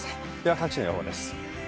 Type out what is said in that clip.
各地の予報です。